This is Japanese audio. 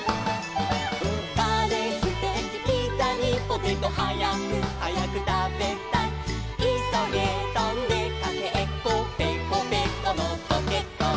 「カレーステーキピザにポテト」「はやくはやくたべたい」「いそげとんでかけっこぺこぺこのコケッコー」